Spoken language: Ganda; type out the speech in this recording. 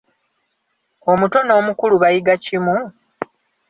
Omuto n'omukulu bayiga kimu?